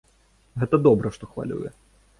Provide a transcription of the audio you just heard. Гэта добра, што хвалюе.